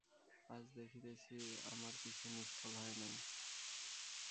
আজ দেখিতেছি, আমার কিছুই নিষ্ফল হয় নাই।